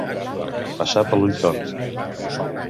Passar per l'ull tort.